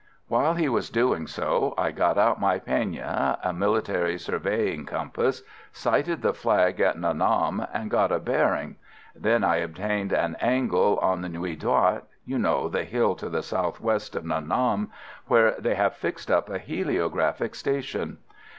While he was doing so I got out my peigne (a military surveying compass), sighted the flag at Nha Nam, and got a bearing; then I obtained an angle on the Nuï Dot you know, the hill to the south west of Nha Nam, where they have fixed up a heliographic station.